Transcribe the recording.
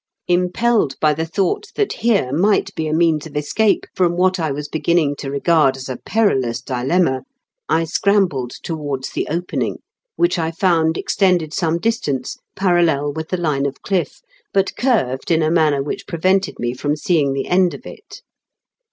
Im pelled by the thought that here might be a means of escape from what I was beginning to regard as a perilous dilemma, I scrambled towards the opening, which I found extended some distance, parallel with the line of cliff, but curved in a manner which prevented me from seeing the end of it.